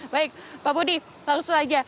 baik pak budi langsung saja